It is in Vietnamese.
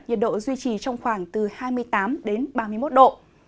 nhiệt độ duy trì trong khoảng từ hai mươi tám đến ba mươi một độ